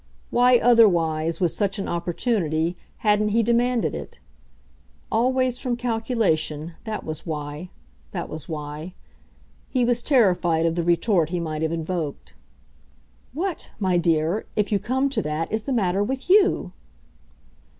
Why otherwise, with such an opportunity, hadn't he demanded it? Always from calculation that was why, that was why. He was terrified of the retort he might have invoked: "What, my dear, if you come to that, is the matter with YOU?"